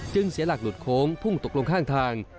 เสียหลักหลุดโค้งพุ่งตกลงข้างทาง